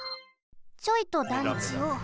ちょいと団地を。